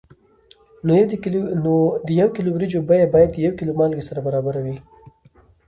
نو د یو کیلو وریجو بیه باید د یو کیلو مالګې سره برابره وي.